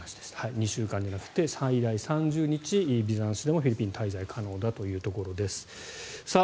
２週間じゃなくて最大３０日ビザなしでもフィリピンに滞在可能だということです。